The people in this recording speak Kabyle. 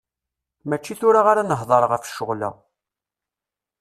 Mačči tura ara nehder ɣef ccɣel-a.